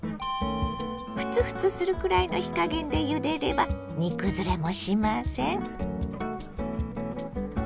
ふつふつするくらいの火加減でゆでれば煮崩れもしません。